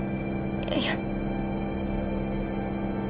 いや。